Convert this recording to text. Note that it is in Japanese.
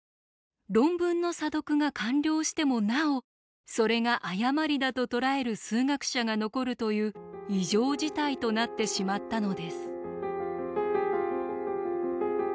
論文の査読が完了してもなおそれが誤りだと捉える数学者が残るという異常事態となってしまったのです。